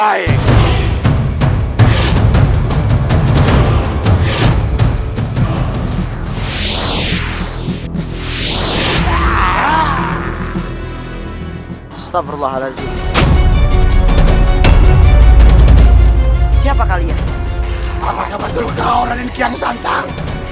astagfirullahaladzim siapa kalian apa apa terluka orang yang santan